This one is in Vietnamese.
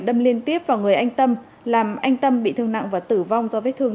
đâm liên tiếp vào người anh tâm làm anh tâm bị thương nặng và tử vong do vết thương